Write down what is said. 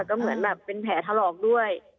ก็เหมือนแบบเป็นแผลถลอกด้วย